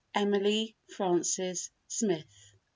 Emily Frances Smith.